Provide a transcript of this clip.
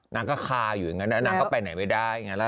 นางก็คาอยู่อย่างนั้นนางก็ไปไหนไม่ได้ไงล่ะ